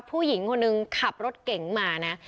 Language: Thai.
ผู้หญิงคนหนึ่งขับรถเก๋งมานะ